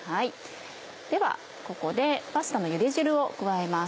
ではここでパスタのゆで汁を加えます。